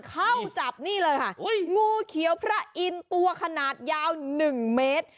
เข้าจับนี่เลยค่ะงูเขียวพระอินทร์ตัวขนาดยาว๑เมตร